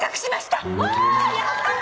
おやったね！